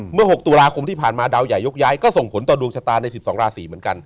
เมื่อ๖ตุลาคมที่ผ่านมาดาวใหญ่ยกย้ายก็ส่งผลต่อดวงชะตาใน๑๒ราศีเหมือนกัน